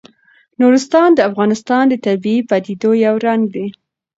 نورستان د افغانستان د طبیعي پدیدو یو رنګ دی.